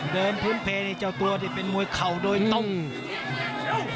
เดินพื้นเพลนี่เจ้าตัวที่เป็นมวยเข่าโดยต้อง